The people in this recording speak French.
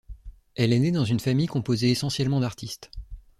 Elle est née dans une famille composée essentiellement d'artistes.